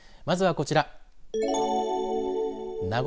まずはこちら。